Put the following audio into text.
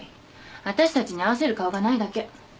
あたしたちに合わせる顔がないだけ。